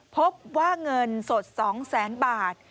พบว่าเงินสด๒๐๐๐๐๐บาท